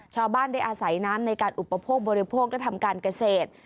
ชาวบ้านได้อาศัยน้ำในการอุปโภคบริโภคและทำการเกษตร